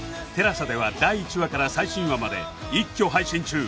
ＴＥＬＡＳＡ では第１話から最新話まで一挙配信中